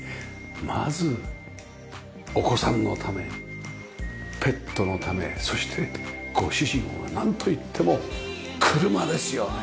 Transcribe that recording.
まずお子さんのためペットのためそしてご主人はなんといっても車ですよね！